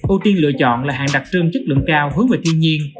ưu tiên lựa chọn là hàng đặc trưng chất lượng cao hướng về thiên nhiên